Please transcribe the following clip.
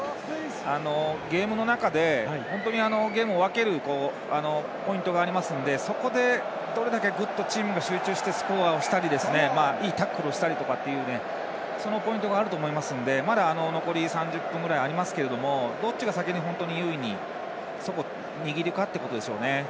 ゲームの中で本当にゲームを分けるポイントがありますのでそこで、どれだけチームがグッと集中してスコアをしたりいいタックルをしたりというそのポイントがあると思いますので、まだ残り３０分ぐらいありますけどどっちが先に本当に優位に勝ってくるでしょうね。